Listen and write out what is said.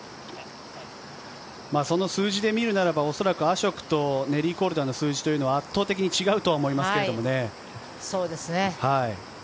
その数字で見るならば恐らくアショクとネリー・コルダの数字というのは圧倒的に違うとは思いますけれどね。